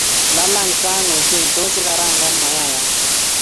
lalang saang ochei tos ikarangan mayayat